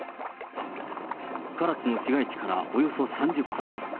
唐津の市街地からおよそ３０分。